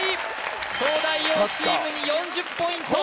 東大王チームに４０ポイント